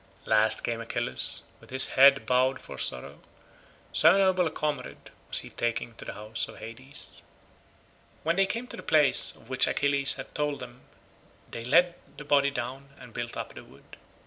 Last came Achilles with his head bowed for sorrow, so noble a comrade was he taking to the house of Hades. When they came to the place of which Achilles had told them they laid the body down and built up the wood.